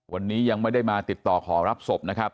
วันนี้ยังไม่ได้มาติดต่อขอรับศพนะครับ